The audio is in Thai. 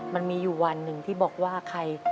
มันมีอยู่วันหนึ่งที่บอกว่าใคร